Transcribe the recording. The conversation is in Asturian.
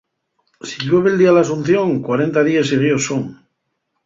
Si llueve'l día L'Asunción, cuarenta díes siguíos son.